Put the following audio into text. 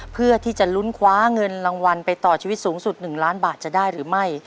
เพื่อที่จะลุ้นคว้าเงินรางวัลไปต่อชีวิตสูงสุด๑ล้านบาทจะได้หรือไม่